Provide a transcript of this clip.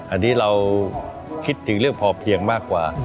อันนี้เราคิดถึงเรื่องพอเพียงมากกว่า